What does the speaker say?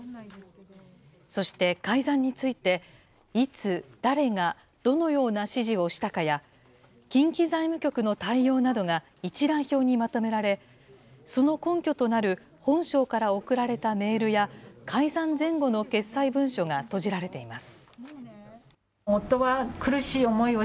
そして改ざんについて、いつ、誰が、どのような指示をしたかや、近畿財務局の対応などが一覧表にまとめられ、その根拠となる本省から送られたメールや、改ざん前後の決裁文書がとじられています。